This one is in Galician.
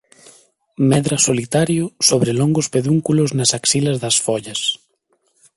Medra solitario sobre longos pedúnculos nas axilas das follas.